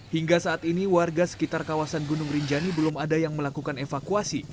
hingga saat ini warga sekitar kawasan gunung rinjani belum ada yang melakukan evakuasi